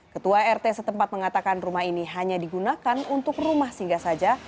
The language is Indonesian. ketua rt setempat mengatakan rumah ini hanya digunakan untuk rumah singgah saja